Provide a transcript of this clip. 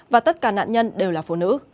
và tất cả nạn nhân đều là phụ nữ